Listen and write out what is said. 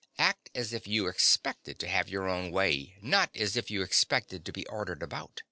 Act as if you expected to have your own way, not as if you expected to be ordered about.